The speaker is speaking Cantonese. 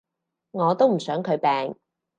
我都唔想佢病